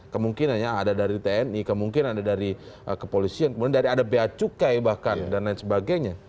kemungkinannya ada dari tni kemungkinan ada dari kepolisian kemudian ada dari beacukai bahkan dan lain sebagainya